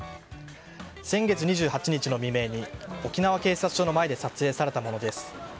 先月２８日の未明に沖縄警察署の前で撮影されたものです。